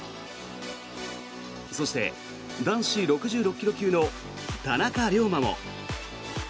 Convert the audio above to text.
そして、男子６６ｋｇ級の田中龍馬も。